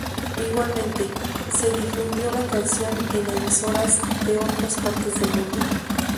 Igualmente, se difundió la canción en emisoras de otras partes del mundo.